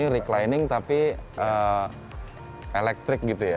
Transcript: reclining tapi elektrik gitu ya